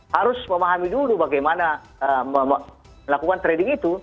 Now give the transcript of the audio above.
harus memahami dulu bagaimana melakukan trading itu